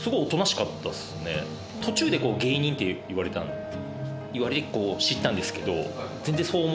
途中で芸人って言われて知ったんですけど。